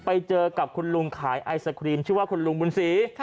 ไปเจอกับคุณลุงขายไอศครีมชื่อว่าคุณลุงบุญศรี